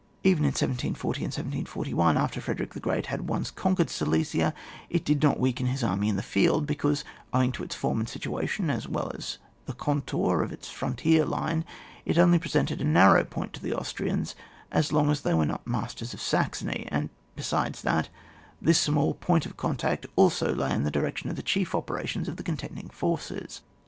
Even in 1740 and 1741, after Frederick the Great had once conquered Silesia, it did not weaken his army in the field, because, owing to its fonn and situation as well as the contoiir of its frontier line, it only presented a narrow point to the Austrians, as long as they were not mas ters of Saxony, and besides that, this small point of contact also lay in the direction of the chief operations of the contending forces.